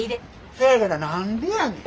そやから何でやねん。